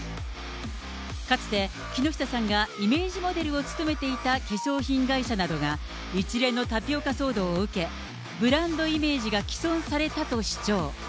かつて、木下さんがイメージモデルを務めていた化粧品会社などが、一連のタピオカ騒動を受け、ブランドイメージが毀損されたと主張。